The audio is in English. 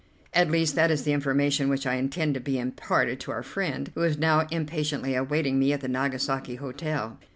At least, that is the information which I intend to be imparted to our friend, who is now impatiently awaiting me at the Nagasaki Hotel.